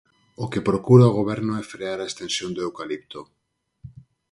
O que procura o goberno é frear a extensión do eucalipto.